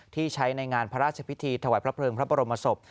ที่ใช้ในงานพระราชพิธีถวายพระเพลิงพระบรมศพ